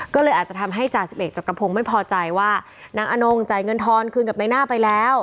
ก็เลยอาจจะทำให้จ่าสิบเอกจักรพงศ์ไม่พอใจว่านางอนงจ่ายเงินทอนคืนกับนายหน้าไปแล้ว